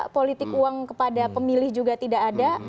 politik uang kepada pemilih juga tidak ada